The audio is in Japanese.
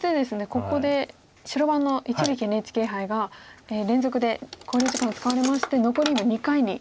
ここで白番の一力ＮＨＫ杯が連続で考慮時間を使われまして残り今２回に。